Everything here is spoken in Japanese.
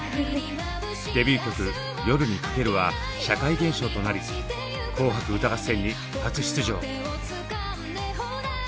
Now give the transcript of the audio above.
デビュー曲「夜に駆ける」は社会現象となり「紅白歌合戦」に初出場。